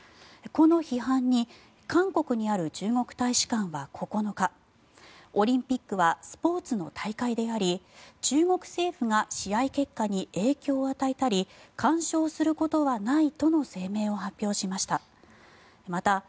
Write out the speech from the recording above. この批判に韓国にある中国大使館は９日オリンピックはスポーツの大会であり中国政府が試合結果に影響を与えたり干渉することはないとの声明を発表しました。